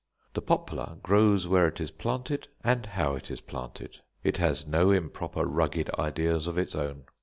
The poplar grows where it is planted, and how it is planted. It has no improper rugged ideas of its own.